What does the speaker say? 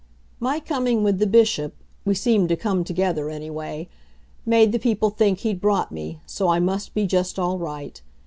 My coming with the Bishop we seemed to come together, anyway made the people think he'd brought me, so I must be just all right.